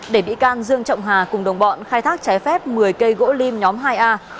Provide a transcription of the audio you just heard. để bị can dương trọng hà cùng đồng bọn khai thác trái phép một mươi cây gỗ lim nhóm hai a